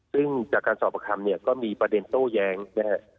ซึ่งจากการสอบประคำเนี่ยก็มีประเด็นโต้แย้งนะฮะ